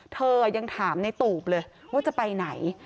เธอยังถามในตูบเลยว่าจะไปไหน